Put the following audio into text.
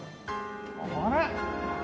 あれ？